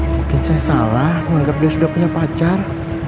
mungkin saya salah menganggap dia sudah punya pacar